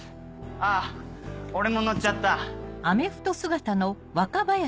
あぁ俺も乗っちゃった。